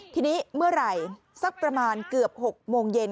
ทีนี้เมื่อไหร่สักประมาณเกือบ๖โมงเย็น